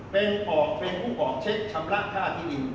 เป็นออกเป็นผู้ออกเช็คชำระค่าที่ดี